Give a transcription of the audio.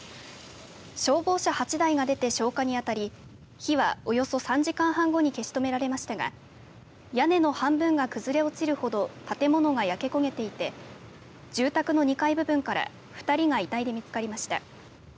消防車８台が出て消火にあたり火はおよそ３時間半後に消し止められましたが屋根の半分が崩れ落ちるほど建物が焼け焦げていて住宅の２階部分から２人が遺体で見つかりました。